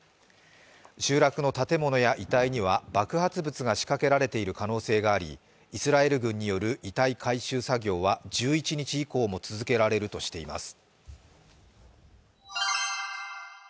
集落の建物や遺体には爆発物が仕掛けられている可能性がありイスラエル軍による遺体回収作業は１１日以降も続けられるとしています。